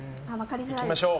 いきましょう。